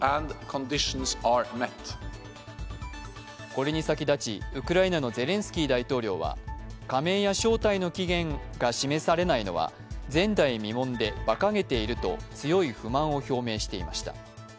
これに先立ち、ウクライナのゼレンスキー大統領は加盟や招待の期限が示されないのは前代未聞でばかげていると強い不満を表明していました。